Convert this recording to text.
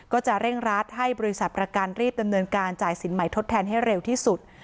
ก็จะเร่งรัดให้บริษัทประกันรีบดำเนินการจ่ายสินใหม่ทดแทนให้เร็วที่สุด